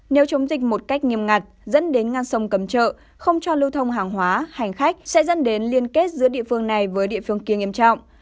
nếu chống dịch một cách nghiêm ngặt dẫn đến ngăn sông cấm chợ không cho lưu thông hàng hóa hành khách sẽ dẫn đến liên kết giữa địa phương này với địa phương kia nghiêm trọng